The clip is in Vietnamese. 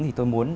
thì tôi muốn